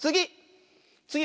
つぎ！